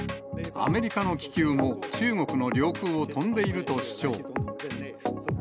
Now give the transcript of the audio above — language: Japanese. アメリカの気球も中国の領空を飛んでいると主張。